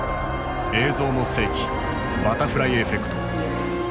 「映像の世紀バタフライエフェクト」。